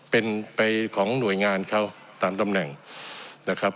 เป็นไปของหน่วยงานเขาตามตำแหน่งนะครับ